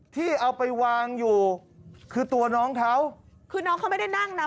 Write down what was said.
ที่เอาไปวางอยู่คือตัวน้องเขาคือน้องเขาไม่ได้นั่งนะ